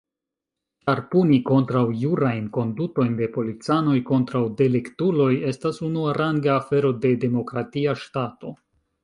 Ĉar puni kontraŭjurajn kondutojn de policanoj kontraŭ deliktuloj estas unuaranga afero de demokratia ŝtato.